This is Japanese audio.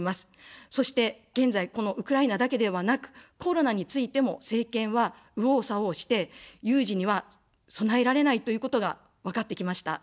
そして現在、このウクライナだけではなく、コロナについても政権は右往左往して、有事には備えられないということが分かってきました。